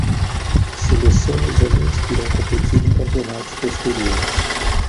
Selecione os alunos que irão competir em campeonatos posteriores.